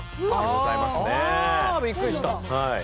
あびっくりした。